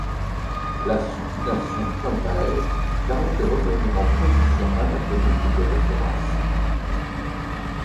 La supination quant à elle permet de revenir en position anatomique de référence.